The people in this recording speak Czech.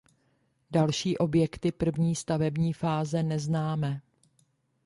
Další objekty první stavební fáze neznáme.